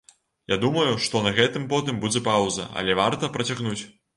Я думаю, што на гэтым потым будзе паўза, але варта працягнуць.